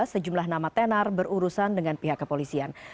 sejumlah nama tenar berurusan dengan pihak kepolisian